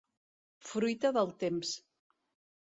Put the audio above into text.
Fruita del temps.